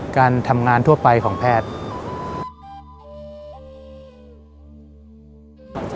การทำงานทั่วไปของแพทย์